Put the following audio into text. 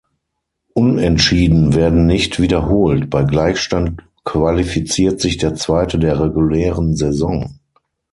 Unentschieden werden nicht wiederholt; bei Gleichstand qualifiziert sich der Zweite der regulären Saison.